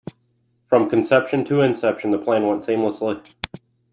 From conception to inception the plan went seamlessly.